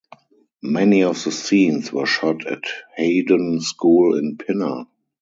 Many of the scenes were shot at Haydon School in Pinner.